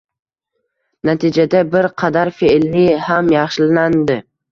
natijada bir qadar fe'li ham yaxshilandi